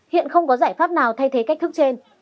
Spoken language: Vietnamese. hiện không có giải pháp nào thay thế cách thức trên